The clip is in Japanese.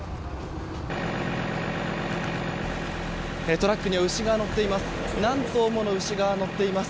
トラックには牛が載っています。